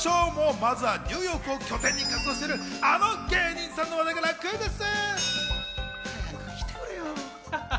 まずはニューヨークを拠点に活動している、あの芸人さんの話題からクイズッス！